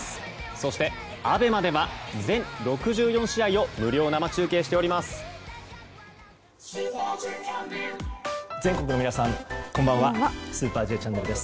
そして、ＡＢＥＭＡでは全６４試合を無料生中継しております。